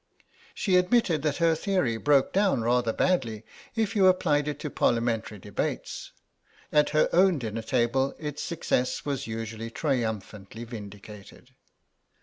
She admitted that her theory broke down rather badly if you applied it to Parliamentary debates. At her own dinner table its success was usually triumphantly vindicated.